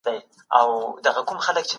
مولي څېړنه یوه سیستماتیکه او سمه پلټنه بولي.